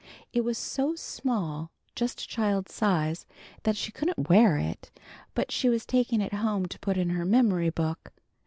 It was so small, just a child's size, that she couldn't wear it, but she was taking it home to put in her memory book.